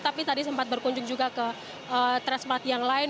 tapi tadi sempat berkunjung juga ke transmart yang lain